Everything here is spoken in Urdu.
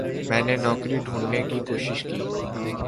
میں نے نوکری ڈھوڑھنے کی کوشش کی۔